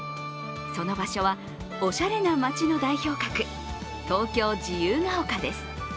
その場所は、おしゃれな街の代表格東京・自由が丘です。